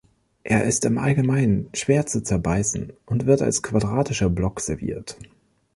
Er ist im Allgemeinen schwer zu zerbeißen und wird als quadratischer Block serviert.